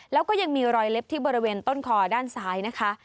แล้วก็ยังมีรอยเล็บที่บริเวณต้นคอด้านซ้ายนะคะ